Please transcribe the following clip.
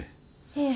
いえ。